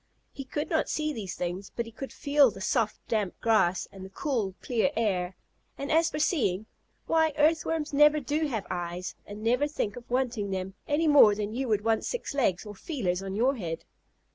He could not see these things, but he could feel the soft, damp grass, and the cool, clear air, and as for seeing, why, Earthworms never do have eyes, and never think of wanting them, any more than you would want six legs, or feelers on your head.